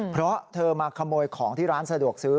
เพราะเธอมาขโมยของที่ร้านสะดวกซื้อ